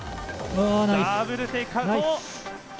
ダブルテイクアウト！